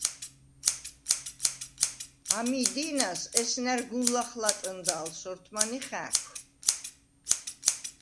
ამი̄ დი̄ნას ესნა̈რ გუნ ლახლატჷნდა ალ სორთმან ი ხა̄̈ქუ̂: